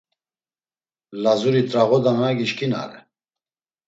Lazuri t̆rağodana gişkinare.